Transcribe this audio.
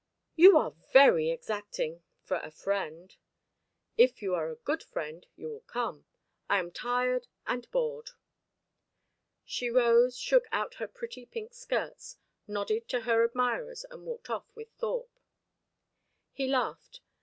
"You are very exacting for a friend." "If you are a good friend, you will come. I am tired and bored." She rose, shook out her pretty pink skirts, nodded to her admirers, and walked off with Thorpe. He laughed.